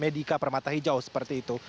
medika permata hijau seperti itu